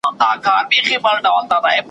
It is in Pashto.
بيا به ستوني ستغ سو لاندي تر بړستني ,